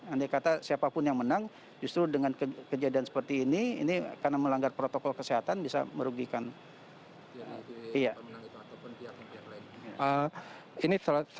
andai kata siapapun yang menang justru dengan kejadian seperti ini ini karena melanggar protokol kesehatan bisa merugikan